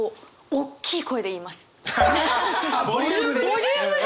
ボリュームで！？